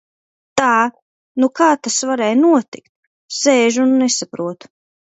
Tā! Nu kā tas varēja notikt? Sēžu un nesaprotu.